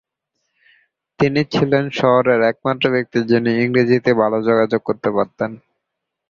তিনি ছিলেন শহরের একমাত্র ব্যক্তি যিনি ইংরেজিতে ভাল যোগাযোগ করতে পারতেন।